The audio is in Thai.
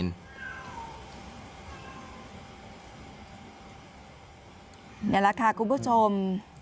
นี่แหละค่ะคุณผู้ชม